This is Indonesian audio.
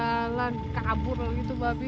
sialan kabur lalu begitu babi